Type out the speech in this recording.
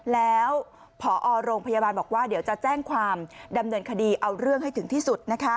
แล้วพอโรงพยาบาลบอกว่าเดี๋ยวจะแจ้งความดำเนินคดีเอาเรื่องให้ถึงที่สุด